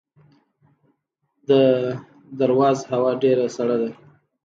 د درواز هوا ډیره سړه ده